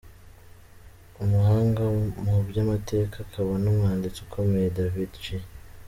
Umuhanga mu by’amateka akaba n’umwanditsi ukomeye, David J.